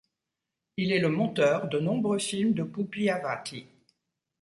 Il est le monteur de nombreux films de Pupi Avati.